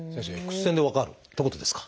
Ｘ線で分かるってことですか？